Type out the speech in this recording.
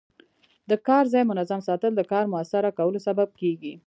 د کار ځای منظم ساتل د کار موثره کولو سبب کېږي.